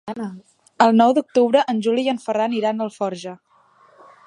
El nou d'octubre en Juli i en Ferran iran a Alforja.